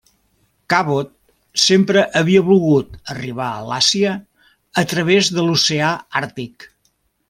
Cabot sempre havia volgut arribar a l'Àsia a través de l'oceà Àrtic.